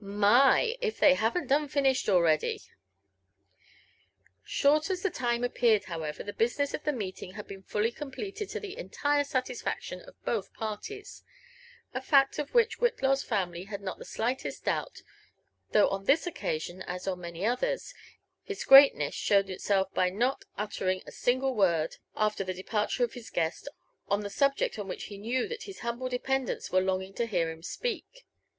•* My —I if they haven't done finished already I" Short as the time appeared, however, the business of the meeting had been fully completed to the entire satisfaction of both parties; a fact of which Whitlaw's family had not the slightest doubt, though on this occasion, as on many others, his greatness showed itself by not uttering a single word, after Ihe departure of his guest, on the subject on which he knew that his humble dependants were longing to hear him speak.